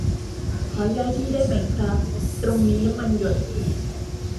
ขอย้ายที่ได้ไหมครับ ตรงนี้น้ำมันหยด